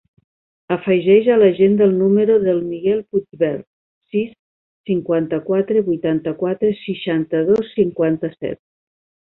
Afegeix a l'agenda el número del Miguel Puigvert: sis, cinquanta-quatre, vuitanta-quatre, seixanta-dos, cinquanta-set.